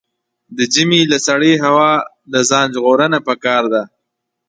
د ژمي له سړې هوا د ځان ژغورنه پکار ده.